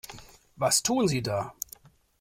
Was tun Sie da?